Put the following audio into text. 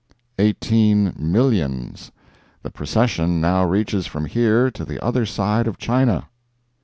"Eighteen millions—the procession now reaches from here to the other side of China."